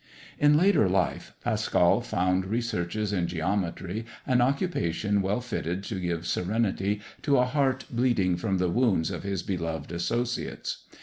In later life, Pascal found researches in geometry an occupation well fitted to give serenity to a heart bleeding from the wounds of his beloved associates.